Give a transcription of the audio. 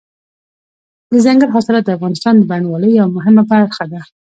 دځنګل حاصلات د افغانستان د بڼوالۍ یوه مهمه برخه ده.